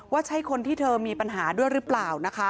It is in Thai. ว่าใช่คนที่เธอมีปัญหาด้วยหรือเปล่านะคะ